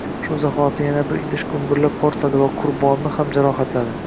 Shu zahoti yana bir idish gumburlab portladi va Qurbonni ham jarohatladi